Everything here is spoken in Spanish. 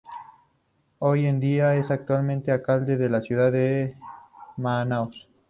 Hoy en día es actualmente alcalde de la ciudad de Manaos.